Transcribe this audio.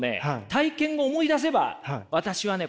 体験を思い出せば私はね